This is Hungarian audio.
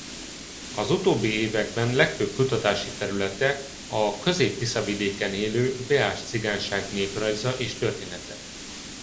Az utóbbi években legfőbb kutatási területe a Közép-Tiszavidéken élő beás cigányság néprajza és története.